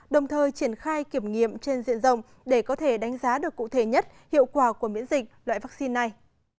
đồng thời triển khai kiểm nghiệm trên diện rộng để có thể đánh giá được cụ thể nhất hiệu quả của miễn dịch loại vaccine này